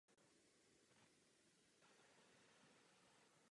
Režisérem filmu je Tim Pope.